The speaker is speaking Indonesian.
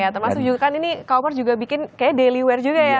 terus ini kak omar juga bikin daily wear juga ya